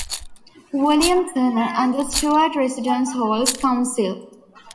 William Turner and the Stuart Residence Halls Council.